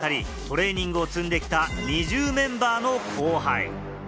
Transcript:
１３歳で単身韓国へ渡り、トレーニングを積んできたＮｉｚｉＵメンバーの後輩。